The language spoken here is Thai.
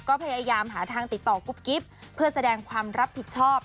ก็พยายามหาทางติดต่อกุ๊บกิ๊บเพื่อแสดงความรับผิดชอบ